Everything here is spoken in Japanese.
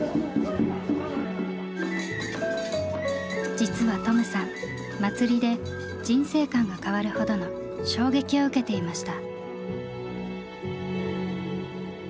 実はトムさん祭りで人生観が変わるほどの衝撃を受けていました。